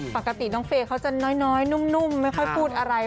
ปกติน้องเฟย์เขาจะน้อยนุ่มไม่ค่อยพูดอะไร